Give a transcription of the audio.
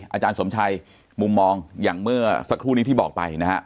อาจารย์สมชัยมุมมองอย่างเมื่อสักครู่นี้ที่บอกไปนะฮะ